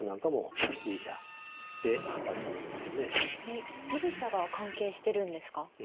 えっギリシアが関係してるんですか？